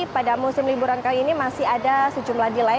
pada musim liburan kali ini masih ada sejumlah delay